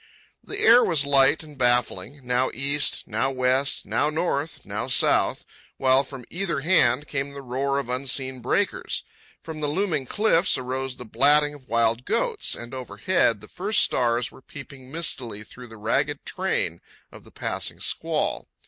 The air was light and baffling, now east, now west, now north, now south; while from either hand came the roar of unseen breakers. From the looming cliffs arose the blatting of wild goats, and overhead the first stars were peeping mistily through the ragged train of the passing squall.